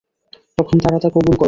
তখন তারা তা কবুল করল।